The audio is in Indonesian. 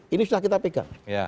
ini sudah kita pegang